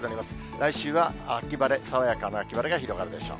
来週は秋晴れ、爽やかな秋晴れが広がるでしょう。